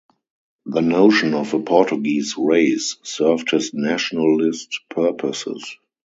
The notion of a Portuguese "race" served his nationalist purposes.